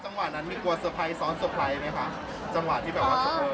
จังหวะนั้นมีกลัวสะพายซ้อนสะพายไหมคะจังหวะที่แบบว่าสะพาย